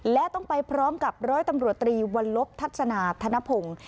และต้องไปพร้อมกับร้อยตำรวจตรีวัลลบทัศนาธนพงศ์